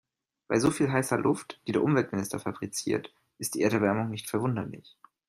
Bei so viel heißer Luft, die der Umweltminister fabriziert, ist die Erderwärmung nicht verwunderlich.